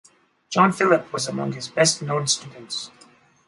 John Phillip was among his best known students.